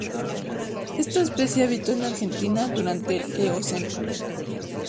Esta especie habitó en Argentina durante el Eoceno.